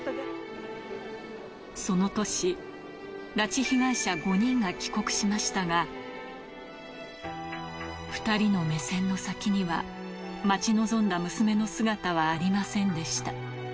その年、拉致被害者５人が帰国しましたが、２人の目線の先には、待ち望んだ娘の姿はありませんでした。